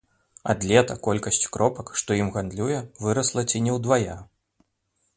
Ад лета колькасць кропак, што ім гандлюе, вырасла ці не ўдвая.